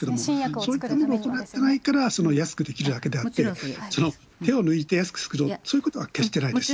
そういうことを行ってないから安くできるわけであって、手を抜いて安く作ろうと、そういうことは決してないです。